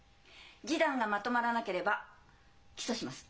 示談がまとまらなければ起訴します。